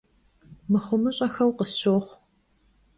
Mıxhumı'eşşxueu khısşoxhu.